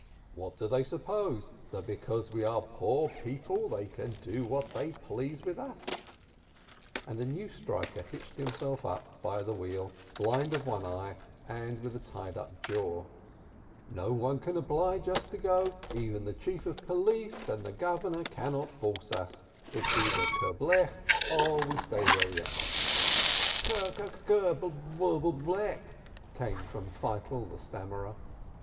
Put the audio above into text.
"What do they suppose? That because we are poor people they can do what they please with us? " and a 88 SPEKTOR new striker hitched himself up by the wheel, blind of one eye, with a tied up jaw. Xo one can oblige us to go, even the chief of police and the governor cannot force us — either it's kerblech, or we stay where we are." "K ke kkerb kkerb lech !!" came from Feitel the Stam merer.